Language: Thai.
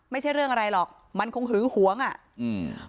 ไม่ใช่เรื่องอะไรหรอกมันคงหึงหวงอ่ะอืม